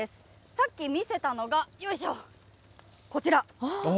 さっき見せたのが、よいしょ、こちら。